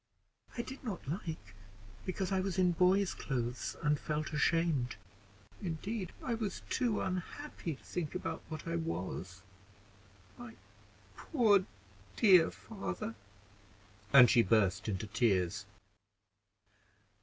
"I did not like, because I was in boys' clothes, and felt ashamed; indeed I was too unhappy to think about what I was. My poor dear father!" and she burst into tears.